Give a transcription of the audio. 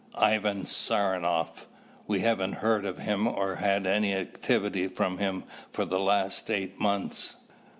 "Ivan Saranoff. We haven't heard of him or had any activity from him for the last eight months.